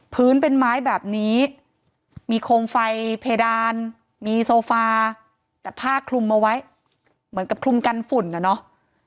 พื้นเป็นไม้แบบนี้มีโคมไฟเพดานมีโซฟาแต่ผ้าคลุมเอาไว้เหมือนกับคลุมกันฝุ่นน่ะเนอะ